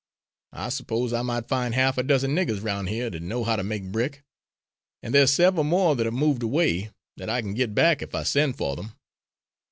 I s'pose I might find half a dozen niggers round here that know how to make brick; and there's several more that have moved away that I can get back if I send for them.